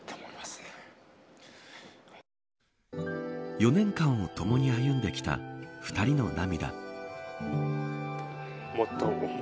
４年間を共に歩んできた２人の涙。